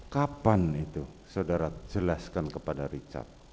kapan itu saudara jelaskan kepada richard